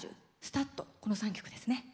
この３曲ですね。